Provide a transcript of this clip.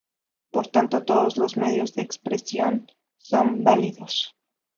Por tanto todos los medios de expresión son válidos.